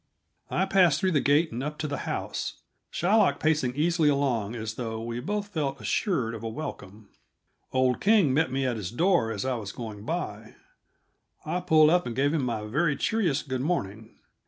I passed through the gate and up to the house, Shylock pacing easily along as though we both felt assured of a welcome. Old King met me at his door as I was going by; I pulled up and gave him my very cheeriest good morning.